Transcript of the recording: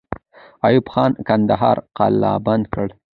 ایوب خان کندهار قلابند کړ.